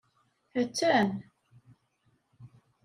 Attan!